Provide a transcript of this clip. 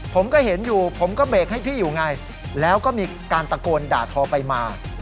ผมก็เห็นอยู่ผมก็เบรกให้พี่อยู่ไงแล้วก็มีการตะโกนด่าทอไปมา